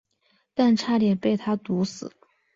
但差点被他毒死。